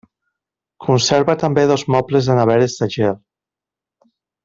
Conserva també dos mobles de neveres de gel.